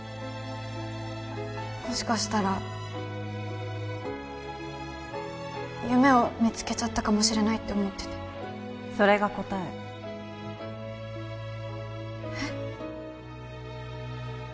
もしかしたら夢を見つけちゃったかもしれないって思っててそれが答ええっ？